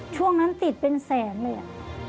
ช่วงนั้นติดเป็นแสนเลย